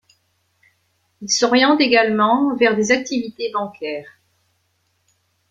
Il s'oriente également vers des activités bancaires.